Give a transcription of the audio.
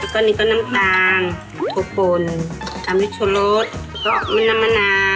ก็นิ้วต้นน้ำปร่างตัวปลบน